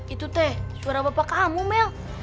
itu teh suara bapak kamu mel